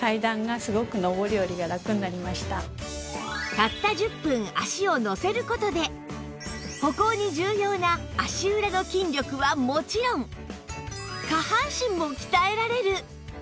たった１０分足をのせる事で歩行に重要な足裏の筋力はもちろん下半身も鍛えられる